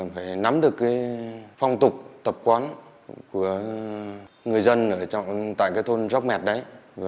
phải nắm được cái phong tục tập quán của người dân tại cái thôn róc mẹt đấy